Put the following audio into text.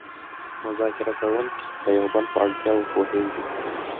مذاکره کوونکي د یو بل په اړتیاوو پوهیږي